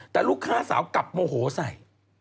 แต่ลูกค้าสาวกลับโมโหใส่